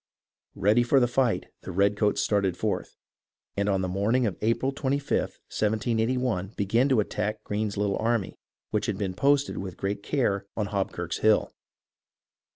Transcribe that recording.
Ready for the fight, the redcoats started forth, and on the morn ing of April 25th, 178 1, began to attack Greene's little army, which had been posted with great care on Hobkirk's Hill.